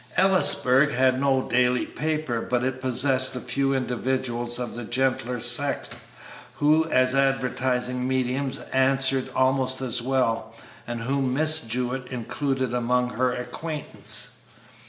Ellisburg had no daily paper, but it possessed a few individuals of the gentler sex who as advertising mediums answered almost as well, and whom Miss Jewett included among her acquaintance.